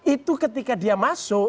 itu ketika dia masuk